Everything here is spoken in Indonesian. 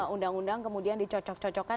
undang undang kemudian dicocok cocokkan